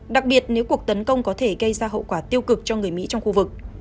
đặc biệt nếu cuộc tấn công có thể gây ra hậu quả tiêu cực cho người mỹ trong khu vực